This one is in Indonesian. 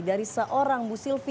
dari seorang bu sylvi